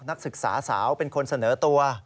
นักศึกษาสาวเป็นคนเสนอตัว